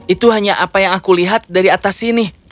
itu hanya apa yang aku lihat dari atas sini